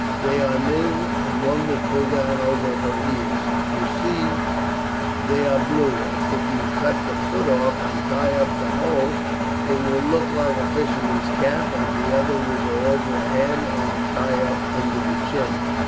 They are knitted, and one will pull down over her ears. You see they are blue, and if you cut the foot off and tie up the hole it will look like a fisherman's cap, and the other will go over her head and tie up under her chin."